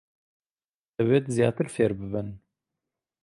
دەبێت زیاتر فێر ببن.